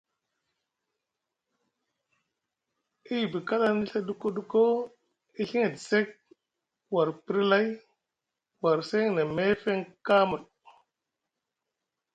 E yiɗi kalaŋdi Ɵa duko duko e Ɵiŋ edi sek war pri lay war seŋ na meefeŋ kamul.